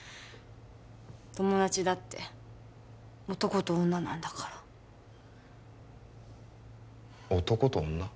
友達だって男と女なんだから男と女？